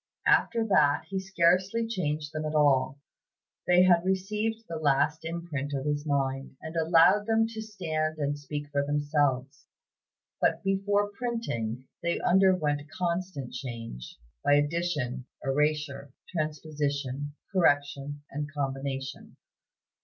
After that he scarcely changed them at all; they had received the last imprint of his mind, and he allowed them to stand and speak for themselves. But before printing, they underwent constant change, by addition, erasure, transposition, correction, and combination.